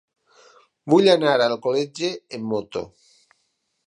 Vull anar a Alcoletge amb moto.